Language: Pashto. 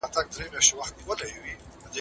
پنځه شپږ ځله يې خپل مېړه ټېله كړ